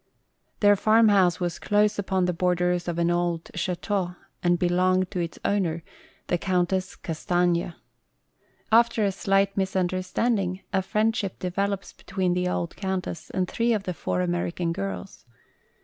Their farmhouse was close upon the borders of an old chateau and belonged to its owner, the Countess Castaigne. After a slight misunderstanding a friendship develops between the old Countess and three out of the four American girls.